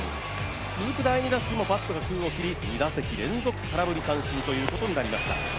続く第２打席もバットが空を切り、２打席連続空振り三振となりました。